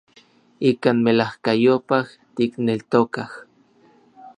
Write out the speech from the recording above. Ikan melajkayopaj tikneltokaj.